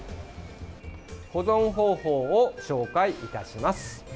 保存方法を紹介いたします。